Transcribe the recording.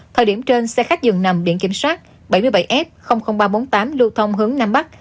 thời điểm trên xe khách dường nằm biển kiểm soát bảy mươi bảy f ba trăm bốn mươi tám lưu thông hướng nam bắc